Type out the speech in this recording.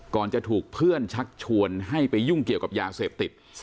จะถูกเพื่อนชักชวนให้ไปยุ่งเกี่ยวกับยาเสพติด